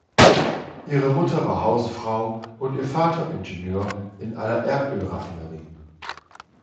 Ihre Mutter war Hausfrau und ihr Vater Ingenieur in einer Erdölraffinerie.